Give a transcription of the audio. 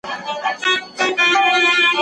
ډاکټر سره مشوره د جدي سردرد لپاره ضروري ده.